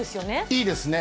いいですね。